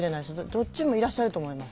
どっちもいらっしゃると思います。